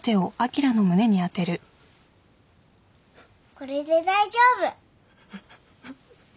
これで大丈夫